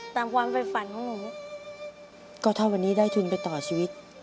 ตามความไปฝันของหนูก็ถ้าวันนี้ได้ทุนไปต่อชีวิต